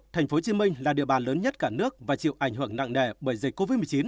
thành phố hồ chí minh là địa bàn lớn nhất cả nước và chịu ảnh hưởng nặng nề bởi dịch covid một mươi chín